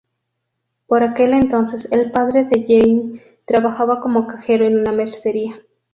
Por aquel entonces, el padre de Jeanne trabajaba como cajero en una mercería.